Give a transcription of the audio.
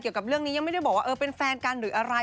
กับเรื่องนี้ยังไม่ได้บอกว่าเออเป็นแฟนกันหรืออะไร